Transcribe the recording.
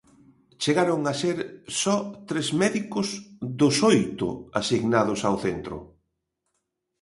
Chegaron a ser só tres médicos dos oito asignados ao centro.